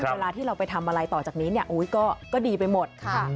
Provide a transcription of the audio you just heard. เวลาที่เราไปทำอะไรต่อจากนี้ก็ดีไปหมด